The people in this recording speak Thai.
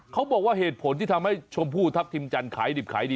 เขาบอกว่าเหตุผลที่ทำให้ชมพู่ทัพทิมจันทร์ขายดิบขายดี